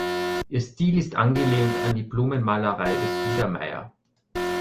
Ihr Stil ist angelehnt an die Blumenmalerei des Biedermeier.